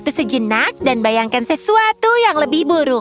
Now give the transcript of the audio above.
simpan kerja veral dengan anda dan bayangkan sesuatu yang lebih buruk